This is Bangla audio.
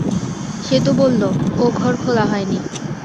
সে তো বলল, ও ঘর খোলা হয় নি।